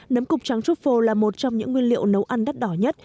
nấm cục trắng trút phổ là một trong những nguyên liệu nấu ăn đắt đỏ nhất